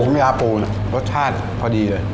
น้ำจากปูเนี่ยรสชาติพอดีเลย